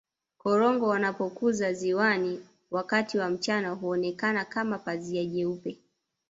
korongo wanapokuwa ziwani wakati wa mchana huonekana kama pazia jeupe